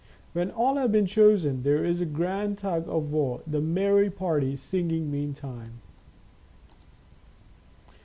When all have been chosen, there is a grand tug of war, the merry party singing, meantime.